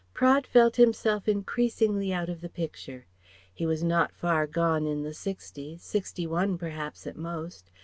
Praed felt himself increasingly out of the picture. He was not far gone in the sixties, sixty one, perhaps at most.